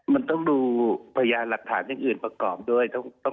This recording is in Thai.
มันต้องดูพยานหลักฐานอย่างอื่นประกอบด้วย